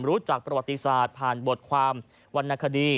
รู้จักประวัติศาสตร์ผ่านบทความวรรณคดี